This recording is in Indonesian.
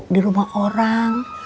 di rumah orang